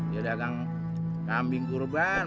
dia dagang kambing kurban